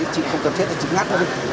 chị không cần xếp thì chị ngắt nó đi